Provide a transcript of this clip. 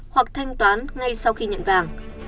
hoặc thanh toán ngay sau khi nhận vàng